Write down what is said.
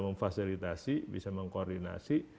memfasilitasi bisa mengkoordinasi